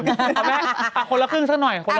เอาแม่คนละครึ่งสักหน่อย